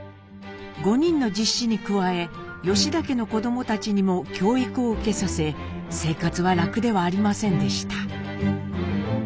５人の実子に加え吉田家の子どもたちにも教育を受けさせ生活は楽ではありませんでした。